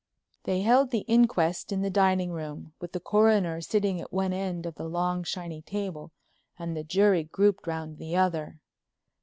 They held the inquest in the dining room, with the coroner sitting at one end of the long shiny table and the jury grouped round the other.